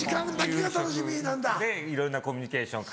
夕食でいろんなコミュニケーション